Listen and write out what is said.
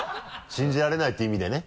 信じられないって意味でね。